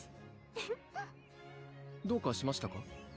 フフッどうかしましたか？